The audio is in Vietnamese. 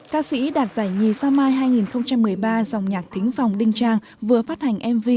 ca sĩ đạt giải nhi sao mai hai nghìn một mươi ba dòng nhạc thính phòng đinh trang vừa phát hành mv